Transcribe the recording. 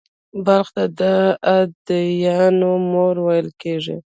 بلخ ته «د ادیانو مور» ویل کېږي